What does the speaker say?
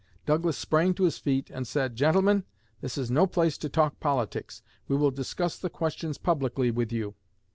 Douglas sprang to his feet and said: 'Gentlemen, this is no place to talk politics; we will discuss the questions publicly with you.'"